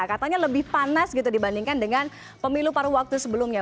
katanya lebih panas gitu dibandingkan dengan pemilu paru waktu sebelumnya